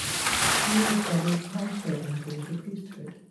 Two of his brothers also entered the priesthood.